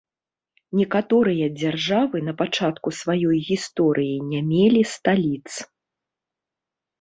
Некаторыя дзяржавы на пачатку сваёй гісторыі не мелі сталіц.